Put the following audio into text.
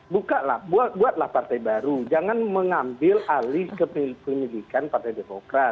buka buatlah partai baru jangan mengambil alih kepemilikan partai demokrat